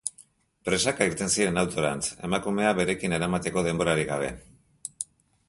Presaka irten ziren autorantz, emakumea berekin eramateko denborarik gabe.